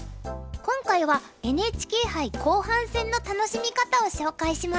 今回はＮＨＫ杯後半戦の楽しみ方を紹介します。